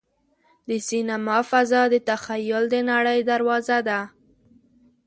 د سینما فضا د تخیل د نړۍ دروازه ده.